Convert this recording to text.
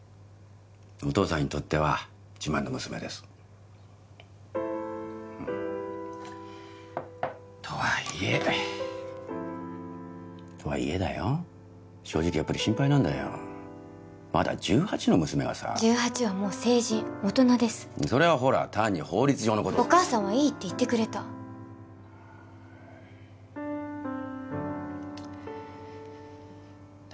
お父さんにとっては自慢の娘ですうんとはいえとはいえだよ正直やっぱり心配なんだよまだ１８の娘がさ１８はもう成人大人ですそれはほら単に法律上のことでお母さんはいいって言ってくれただ